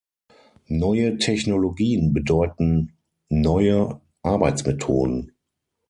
Neue Technologien bedeuten neue Arbeitsmethoden.